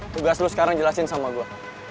tugas lu sekarang jelasin sama gua